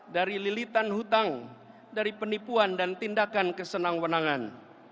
dari lilitan hutang dari penipuan dan tindakan kesenang wenangan